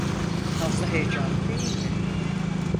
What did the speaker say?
Fazla heyecanlı değildi.